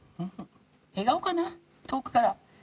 笑顔かな、遠くから。